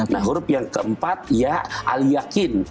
nah huruf yang keempat ya aliyakin